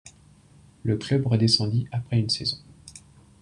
Le club redescendit après une saison.